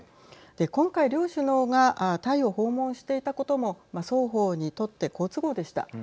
今回、両首脳がタイを訪問していたことも双方にとって好都合でした。